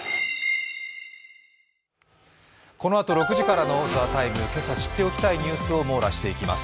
このあと６時からの「ＴＨＥＴＩＭＥ，」けさ知っておきたいニュースを網羅します。